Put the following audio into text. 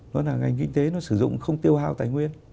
nó là ngành kinh tế sử dụng không tiêu hao tài nguyên